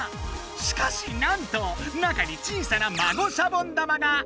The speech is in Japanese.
しかしなんと中に小さな孫シャボン玉が！